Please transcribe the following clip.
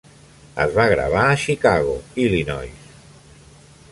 Es va gravar a Chicago, Illinois.